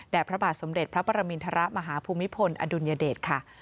และพระบาทสมเด็จพระปรมินทรมาฮภูมิพลอดุลยเดชค่ะ